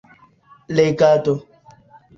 legado